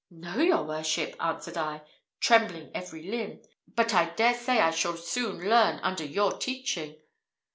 'No, your worship,' answered I, trembling every limb, 'but I dare say I shall soon learn under your teaching.'